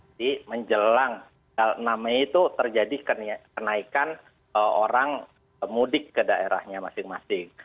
jadi menjelang enam mei itu terjadi kenaikan orang mudik ke daerahnya masing masing